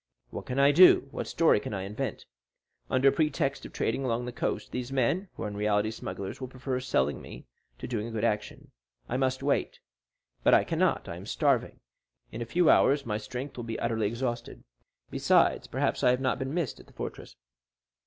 What can I do? What story can I invent? under pretext of trading along the coast, these men, who are in reality smugglers, will prefer selling me to doing a good action. I must wait. But I cannot—I am starving. In a few hours my strength will be utterly exhausted; besides, perhaps I have not been missed at the fortress.